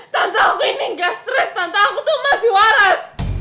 tante aku ini nggak stres tante aku tuh masih waras